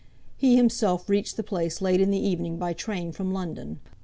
He himself reached the place late in the evening by train from London.